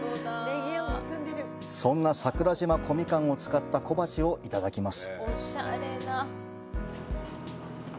そんな桜島小みかんを使った小鉢をいただきます。